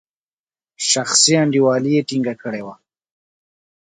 شخصي انډیوالي ټینګه کړې وه.